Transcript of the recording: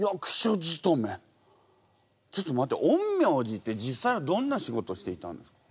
ちょっと待って陰陽師って実際はどんな仕事をしていたんですか？